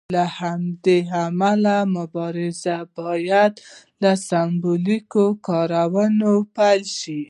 له همدې امله مبارزه باید له سمبولیکو کارونو پیل شي.